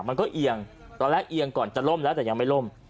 เอียงตอนแรกเอียงก่อนจะล่มแล้วแต่ยังไม่ล่ม